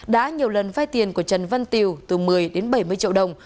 đã nhiều lần vay tiền của trần văn tiều từ một mươi đến bảy mươi triệu đồng